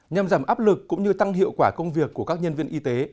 nhằm giảm áp lực cũng như tăng hiệu quả công việc của các nhân viên y tế